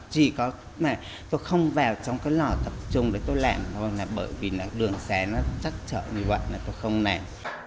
chỉ có tôi không vào trong cái lò tập trung để tôi làm thôi là bởi vì đường xé nó chắc chở như vậy là tôi không làm